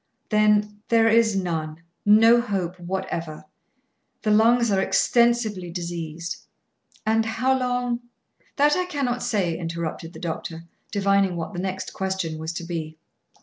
"Then, there is none; no hope whatever. The lungs are extensively diseased." "And how long " "That I cannot say," interrupted the doctor, divining what the next question was to be.